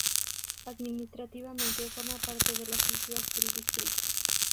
Administrativamente, forma parte de las "Islas del Distrito".